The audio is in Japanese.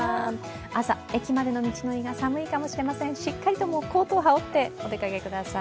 朝、駅までの道のりが寒いかもしれません、しっかりとコートを羽織ってお出かけください。